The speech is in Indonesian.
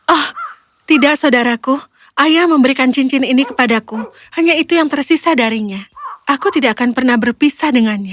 oh tidak saudaraku ayah memberikan cincin ini kepadaku hanya itu yang tersisa darinya aku tidak akan pernah berpisah dengannya